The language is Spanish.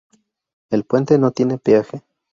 El puente no tiene peaje.